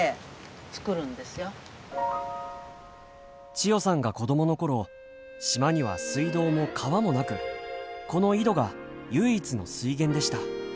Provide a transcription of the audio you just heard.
千代さんが子供のころ島には水道も川もなくこの井戸が唯一の水源でした。